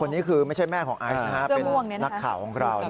นี่คือไม่ใช่แม่ของไอซ์เป็นนักข่าวของเรา